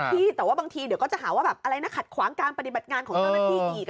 แต่ว่าบางทีเดี๋ยวก็จะหาว่าแบบอะไรนะขัดขวางการปฏิบัติงานของเจ้าหน้าที่อีก